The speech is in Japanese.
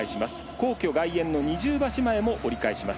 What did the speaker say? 皇居外苑の二重橋前も折り返します。